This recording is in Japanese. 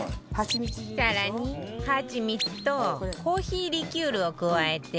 更にはちみつとコーヒーリキュールを加えて